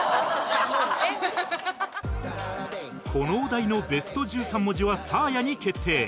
このお題のベスト１３文字はサーヤに決定